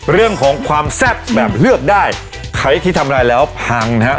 เรื่องของความแซ่บแบบเลือกได้ใครที่ทำอะไรแล้วพังนะฮะ